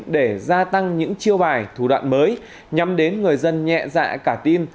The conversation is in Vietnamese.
để gia tăng những chiêu bài thủ đoạn mới nhắm đến người dân nhẹ dạ cả tin